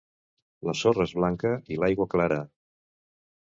La sorra és blanca, i l'aigua clara.